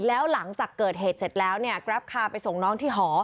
แล้วหลังจากเกิดเหตุเสร็จแล้วเนี่ยแกรปคาไปส่งน้องที่หอ